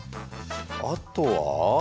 あとは。